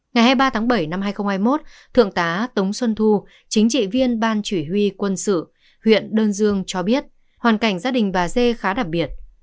ngày hai mươi ba tháng bảy năm hai nghìn hai mươi một thượng tá tống xuân thu chính trị viên ban chỉ huy quân sự huyện đơn dương cho biết hoàn cảnh gia đình bà dê khá đặc biệt